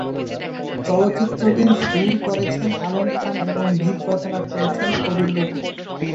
চলচ্চিত্রটির সুর করেছেন আলম খান এবং গীত রচনা করেছেন কবির বকুল।